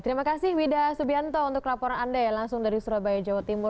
terima kasih wida subianto untuk laporan anda ya langsung dari surabaya jawa timur